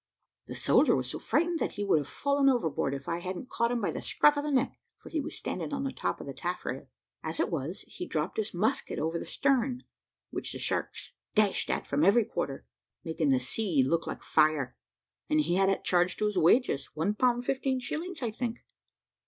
The soldier was so frightened, that he would have fallen overboard, if I hadn't caught him by the scruff of the neck, for he was standing on the top of the taffrail. As it was, he dropped his musket over the stern, which the sharks dashed at from every quarter, making the sea look like fire and he had it charged to his wages, 1 pound 15 shillings, I think.